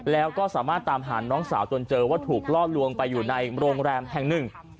แล้วก็สามารถตามหาน้องสาวจนเจอว่าถูกล่อลวงไปอยู่ในโรงแรมแห่งหนึ่ง